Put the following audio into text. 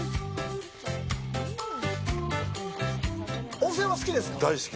温泉は好きですか？